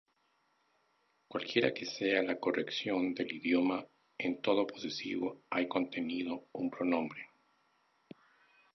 Cualquiera que sea la corrección del idioma, en todo posesivo hay contenido un pronombre.